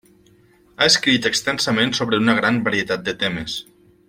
Ha escrit extensament sobre una gran varietat de temes.